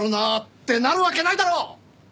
ってなるわけないだろ！